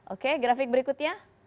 oke grafik berikutnya